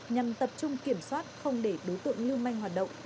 nhằm tập trung kiểm soát không để đối tượng lưu manh hoạt động